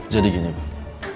jadi begini pak